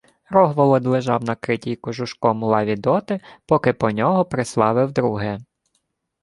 Рогволод лежав на критій кожушком лаві доти, поки по нього прислали вдруге.